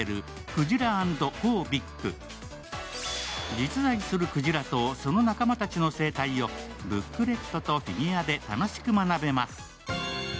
実在するくじらと、その仲間たちの生態をブックレットとフィギュアで楽しく学べます。